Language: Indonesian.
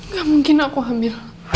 gak mungkin aku hamil